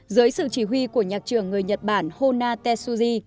dưới sự chỉ huy của nhạc trưởng người nhật bản hona tetsuji